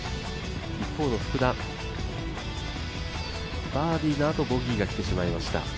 一方の福田、バーディーのあとボギーがきてしまいました。